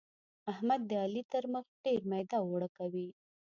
احمد د علي تر مخ ډېر ميده اوړه کوي.